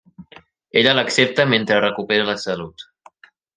Ella l'accepta mentre recupera la salut.